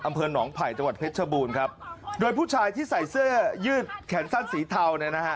อำเภอหนองไผ่จังหวัดเพชรชบูรณ์ครับโดยผู้ชายที่ใส่เสื้อยืดแขนสั้นสีเทาเนี่ยนะฮะ